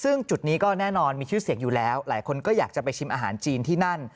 ซึ่งจุดนี้ก็แน่นอนมีชื่อเสียงอยู่แล้วหลายคนก็อยากจะไปชิมอาหารจีนที่นั่น